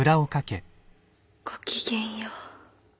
ごきげんよう。